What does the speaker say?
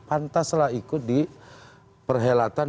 pantaslah ikut di perhelatan dua ribu dua puluh empat